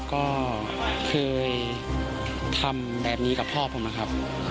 ก็เคยทำแบบนี้กับพ่อผมนะครับ